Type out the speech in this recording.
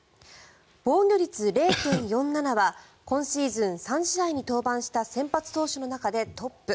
防御率０．４７は今シーズン３試合に登板した先発投手の中でトップ。